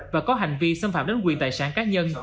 và có hành vi xâm phạm đến quyền tài sản cá nhân